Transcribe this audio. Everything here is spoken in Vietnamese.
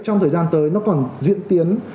trong thời gian tới nó còn diễn tiến